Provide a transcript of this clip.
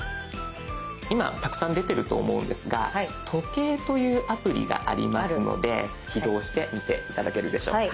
今たくさん出てると思うんですが時計というアプリがありますので起動してみて頂けるでしょうか。